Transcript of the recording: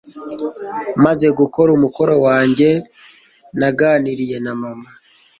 Maze gukora umukoro wanjye, naganiriye na Mama.